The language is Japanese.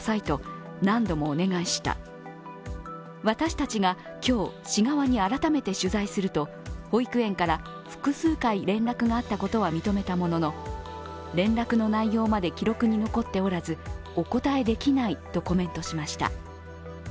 私たちが今日、市側に改めて取材すると保育園から複数回連絡があったことは認めたものの連絡の内容まで記録に残っておらずお答えできないとコメントしました。